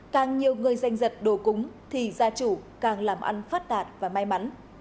càng nhiều người danh dật đồ cúng thì gia chủ càng làm ăn phát đạt và may mắn